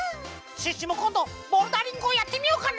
シュッシュもこんどボルダリングをやってみようかな？